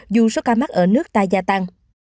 dù số ca mắc ở nước ta gia tăng